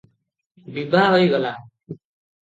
ବିଭା ହୋଇଗଲା ।